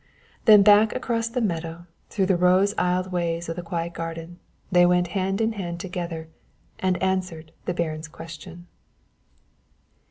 Then back across the meadow, through the rose aisled ways of the quiet garden, they went hand in hand together and answered the Baron's question.